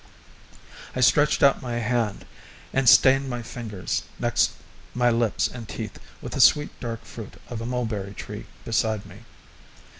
I stretched out my hand and stained my fingers, next my lips and teeth, with the sweet dark fruit of a mulberry tree beside me.